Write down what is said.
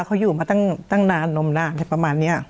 เขาอยู่มาตั้งนานนมนานประมาณนี้